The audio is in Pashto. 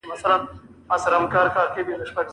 باب المغاربه دروازه هیکل سلیماني ته نږدې ده.